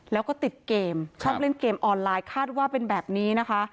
แล้วก็ติดเกมชอบเล่นเกมออนไลน์คาดว่าเป็นแบบนี้นะคะ